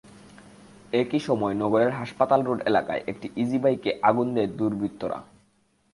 একই সময় নগরের হাসপাতাল রোড এলাকায় একটি ইজিবাইকে আগুন দেয় দুর্বৃত্তরা।